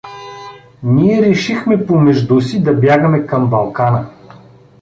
Ние решихме помежду си да бягаме към Балкана.